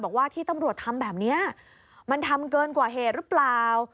บอกว่าที่ตำรวจทำแบบนี้มันทำเกินกว่าเหตุหรือเปล่า